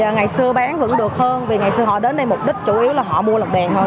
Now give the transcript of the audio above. ngày xưa bán vẫn được hơn vì ngày xưa họ đến đây mục đích chủ yếu là họ mua lọc đèn thôi